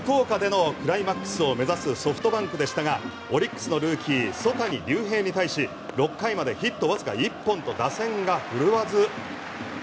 地元・福岡でのクライマックスを目指すソフトバンクでしたがオリックスのルーキー曽谷龍平に対し６回までヒットわずか１本と打線が振るわず。